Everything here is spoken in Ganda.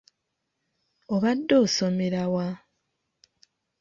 Obadde osomera wa?